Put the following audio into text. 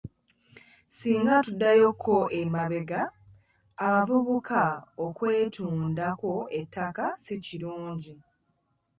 Singa tuddayokko emabega, abavubuka okwetundako ettaka si kirungi.